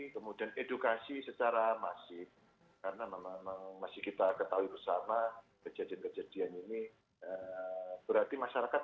perangkat perangkat yang dianggap besarnya lebih berlebihan dari pembayaran